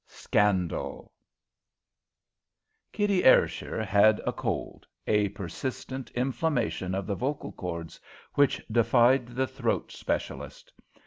Scandal Kitty Ayrshire had a cold, a persistent inflammation of the vocal cords which defied the throat specialist.